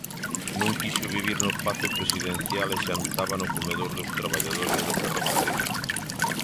Non quixo vivir no pazo presidencial e xantaba no comedor dos traballadores do ferrocarril.